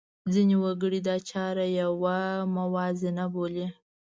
ځینې وګړي دا چاره یوه موازنه بولي.